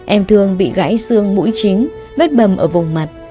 em thường bị gãy xương mũi chính vết bầm ở vùng mặt